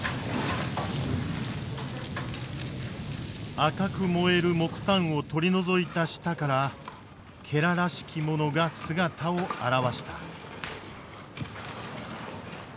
赤く燃える木炭を取り除いた下かららしきものが姿を現した。